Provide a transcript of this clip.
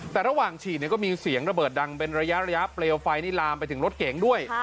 แต่ระหว่างฉีดก็มีเสียงระเบิดดังเป็นระยะเปลวไฟนี่ลามไปถึงรถเก๋งด้วย